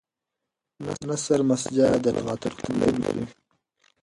نثر مسجع د لغتونو ترتیب لري.